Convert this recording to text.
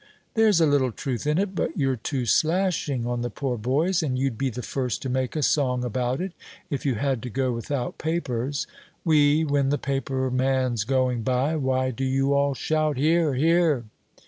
"There's a little truth in it, but you're too slashing on the poor boys, and you'd be the first to make a song about it if you had to go without papers. Oui, when the paper man's going by, why do you all shout, 'Here, here'?"